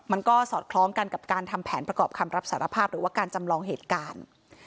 สอดคล้องกันกับการทำแผนประกอบคำรับสารภาพหรือว่าการจำลองเหตุการณ์